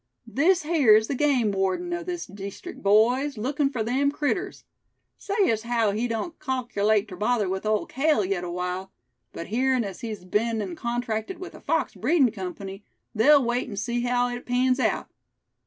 This here is the game warden o' this deestrict, boys, lookin' for them critters. Say as heow he don't calkerlate ter bother with Old Cale yet awhile; but hearin' as he's be'n an' contracted with a fox breedin' company, they'll wait an' see heow it pans eout.